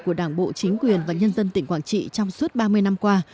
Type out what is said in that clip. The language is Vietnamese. của đảng bộ chính quyền và nhân dân tỉnh quảng trị trong suốt ba mươi năm qua